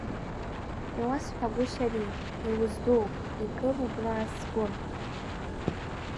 Иуасҳәагәышьари, иузгәдууп икылублааз сгәы…